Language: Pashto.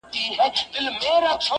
له تش چمن او لاله زار سره مي نه لګیږي!.